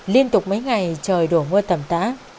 liên tục mấy ngày trời đổ mưa thầm tã